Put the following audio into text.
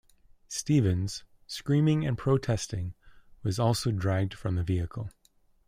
Stephens, screaming and protesting, was also dragged from the vehicle.